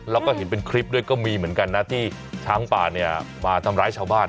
แล้วก็เห็นเป็นคลิปด้วยก็มีเหมือนกันนะที่ช้างป่าเนี่ยมาทำร้ายชาวบ้าน